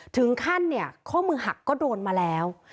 ถึงขั้นเนี่ยข้อมือหักก็โดนมาแล้ว